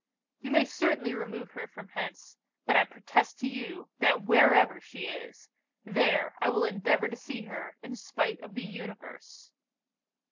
You may certainly remove her from hence; but I protest to you, that wherever she is, there I will endeavour to see her, in spite of the universe.'